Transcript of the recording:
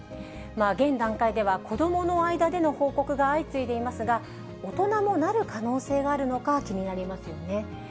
現段階では子どもの間での報告が相次いでいますが、大人もなる可能性があるのか気になりますよね。